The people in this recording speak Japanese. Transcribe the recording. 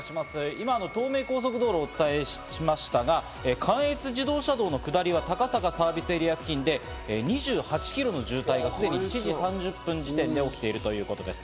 今、東名高速道路をお伝えしましたが関越自動車道の下りは高坂サービスエリア付近で２８キロの渋滞がすでに７時３０分時点で起きているということです。